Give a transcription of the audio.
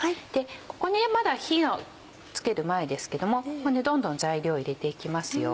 ここまだ火を付ける前ですけどももうどんどん材料入れていきますよ。